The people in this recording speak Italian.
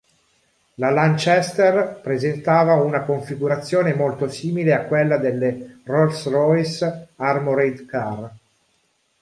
La Lanchester presentava una configurazione molto simile a quella delle Rolls Royce Armoured Car.